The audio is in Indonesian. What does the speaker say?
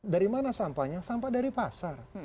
dari mana sampahnya sampah dari pasar